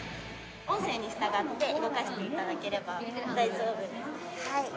音声に従って動かして頂ければ大丈夫です。